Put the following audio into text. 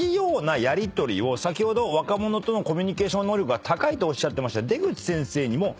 先ほど若者とのコミュニケーション能力が高いとおっしゃってました。